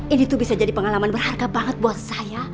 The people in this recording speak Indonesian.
ini tuh bisa jadi pengalaman berharga banget buat saya